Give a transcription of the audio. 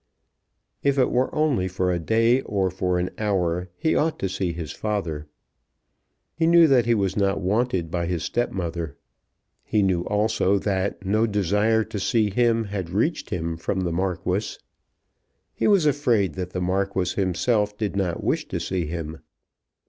If it were only for a day or for an hour he ought to see his father. He knew that he was not wanted by his stepmother. He knew also that no desire to see him had reached him from the Marquis. He was afraid that the Marquis himself did not wish to see him.